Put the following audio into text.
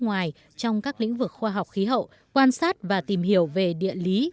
nước ngoài trong các lĩnh vực khoa học khí hậu quan sát và tìm hiểu về địa lý